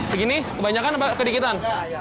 segini kebanyakan atau kedikitan